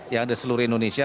yang ada seluruh indonesia